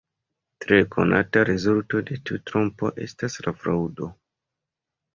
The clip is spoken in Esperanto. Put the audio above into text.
Tre konata rezulto de tiu trompo estas la fraŭdo.